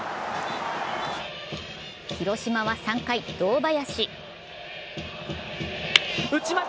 広島は３回、堂林。